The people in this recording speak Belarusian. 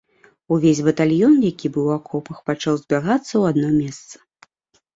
Увесь батальён, які быў у акопах, пачаў збягацца ў адно месца.